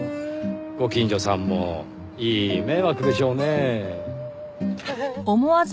ご近所さんもいい迷惑でしょうねぇ。